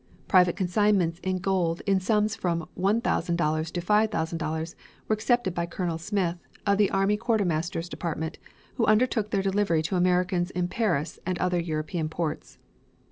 Private consignments in gold in sums from $1,000 to $5,000 were accepted by Colonel Smith, of the army quartermaster's department, who undertook their delivery to Americans in Paris and other European ports.